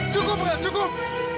cukup raja cukup